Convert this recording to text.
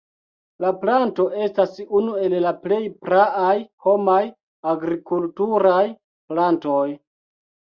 La planto estas unu el la plej praaj homaj agrikulturaj plantoj.